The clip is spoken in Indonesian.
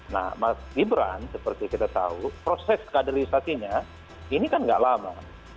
nah mas gibran seperti kita tahu proses kaderisasinya ini kan gak lama